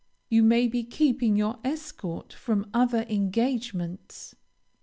You may be keeping your escort from other engagements.